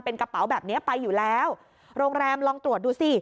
เป็นกระเป๋าแบบเนี้ยไปอยู่แล้วโรงแรมลองตรวจดูสิ